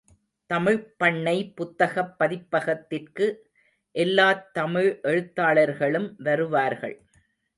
தமிழ்ப்பண்ணை புத்தகப் பதிப்பகத்திற்கு எல்லாத் தமிழ் எழுத்தாளர்களும் வருவார்கள்.